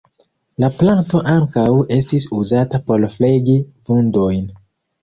La planto ankaŭ estis uzata por flegi vundojn.